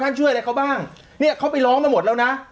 ช่วยอะไรเขาบ้างเนี่ยเขาไปร้องมาหมดแล้วนะ